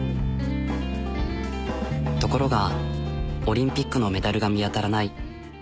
ところがオリンピックのメダルが見当たらない。